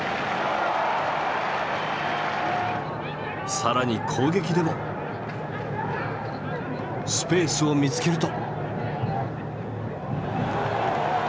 更に攻撃でもスペースを見つけると。